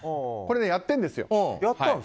これ、やってるんですよ。